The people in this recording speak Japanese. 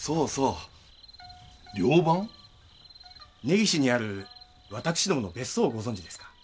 根岸にある私どもの別荘をご存じですか？